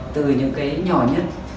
từ những cái nhỏ nhất